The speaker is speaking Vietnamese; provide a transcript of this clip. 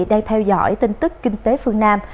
đang theo dõi tin tức kinh tế phương nam